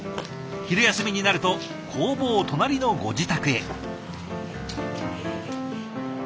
昼休みになると工房隣のご自宅へ。